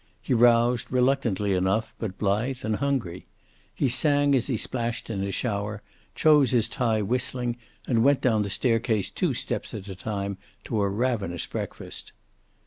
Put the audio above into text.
He roused, reluctantly enough, but blithe and hungry. He sang as he splashed in his shower, chose his tie whistling, and went down the staircase two steps at a time to a ravenous breakfast.